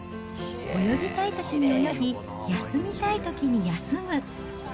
泳ぎたいときに泳ぎ、休みたいときに休む。